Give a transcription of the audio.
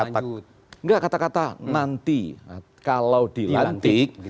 jadi kata kata nanti kalau dilantik